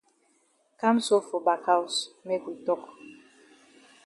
Kam so for back haus make we tok.